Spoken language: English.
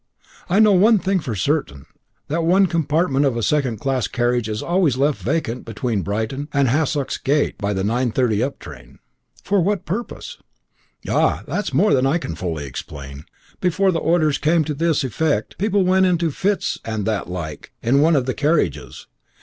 "I know one thing for certain that one compartment of a second class carriage is always left vacant between Brighton and Hassocks Gate, by the 9.30 up train." "For what purpose?" "Ah! that's more than I can fully explain. Before the orders came to this effect, people went into fits and that like, in one of the carriages."